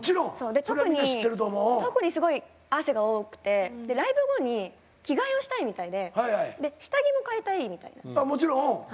で特にすごい汗が多くてでライブ後に着替えをしたいみたいで下着も替えたいみたいなんですよ。